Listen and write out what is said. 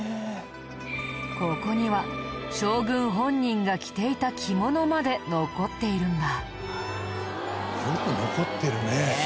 ここには将軍本人が着ていた着物まで残っているんだ。